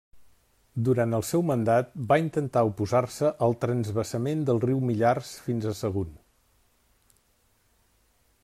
Durant el seu mandat va intentar oposar-se al transvasament del riu Millars fins a Sagunt.